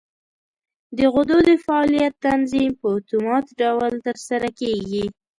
د غدو د فعالیت تنظیم په اتومات ډول تر سره کېږي.